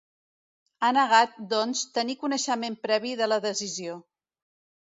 Ha negat, doncs, tenir coneixement previ de la decisió.